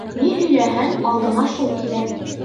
Ни һөйләһәң, алдыңа шул килә.